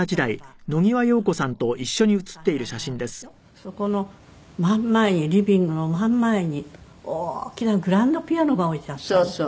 そこの真ん前にリビングの真ん前に大きなグランドピアノが置いてあったの。